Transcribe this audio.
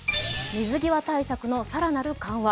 水際対策の更なる緩和